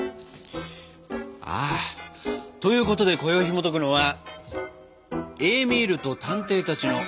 あということでこよいひもとくのは「エーミールと探偵たち」のさくらんぼケーキ。